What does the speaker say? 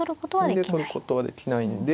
銀で取ることはできないんで。